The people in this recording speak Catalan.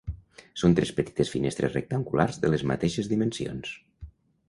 Són tres petites finestres rectangulars de les mateixes dimensions.